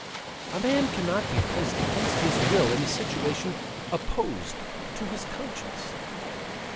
A man cannot be placed against his will in a situation opposed to his conscience.